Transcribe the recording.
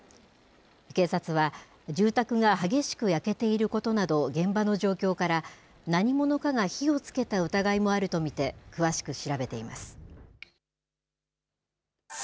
警察は住宅が激しく焼けていることなど現場の状況から何者かが火をつけた疑いもあると見て詳しく調べています。